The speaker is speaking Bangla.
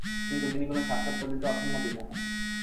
কিন্তু তিনি কোন সাক্ষাৎকার দিতে অসম্মতি জানান।